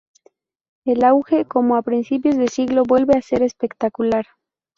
El auge, como a principios de siglo vuelve a ser espectacular.